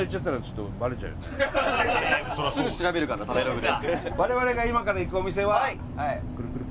すぐ調べるから食べログで。